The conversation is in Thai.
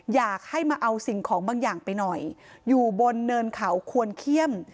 อยากให้มาเอาสิ่งของบางอย่างไปหน่อยอยู่บนเนินเขาควรเขี้ยม